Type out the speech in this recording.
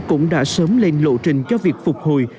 cũng đã sớm lên lộ trình cho việc phục hồi